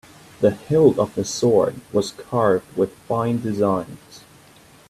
The hilt of the sword was carved with fine designs.